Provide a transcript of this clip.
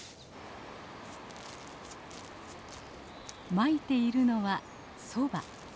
まいているのはソバ。